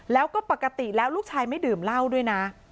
แล้วก็ปกติแล้วลูกชายไม่ดื่มเหล้าด้วยนะ